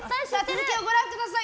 続きをご覧ください。